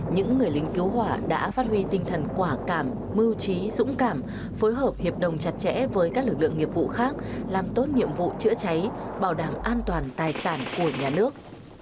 những người lính cứu hỏa đã phát huy tinh thần quả cảm mưu trí dũng cảm phối hợp hiệp đồng chặt chẽ với các lực lượng nghiệp vụ khác làm tốt nhiệm vụ chữa cháy bảo đảm an toàn tài sản của nhà nước